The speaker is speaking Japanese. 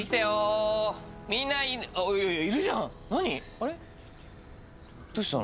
あれっ？どうしたの？